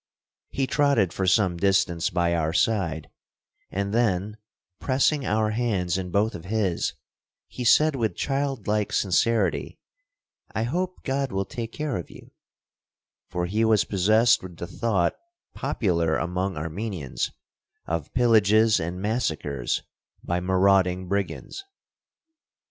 He trotted for some distance by our side, and then, pressing our hands in both of his, he said with childlike sincerity: "I hope God will take care of you"; for he was possessed with the thought popular among Armenians, of pillages and massacres by marauding brigands.